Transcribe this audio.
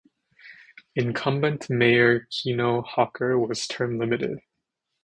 Incumbent mayor Keno Hawker was term limited.